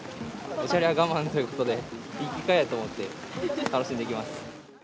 おしゃれは我慢するということで、いい機会だと思って、楽しんでいきます。